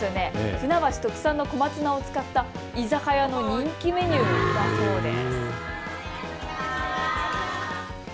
船橋特産の小松菜を使った居酒屋の人気メニューだそうです。